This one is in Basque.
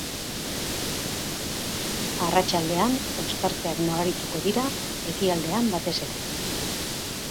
Arratsaldean ostarteak nabarituko dira, ekialdean batez ere.